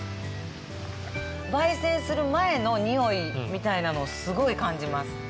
焙煎する前の匂いみたいなのをすごい感じます。